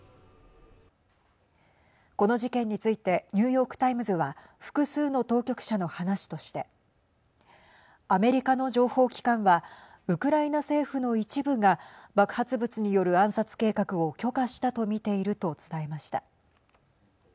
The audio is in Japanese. この事件についてニューヨーク・タイムズは複数の当局者の話としてアメリカの情報機関はウクライナ政府の一部が爆発物による暗殺計画を許可したと見ていると伝えました。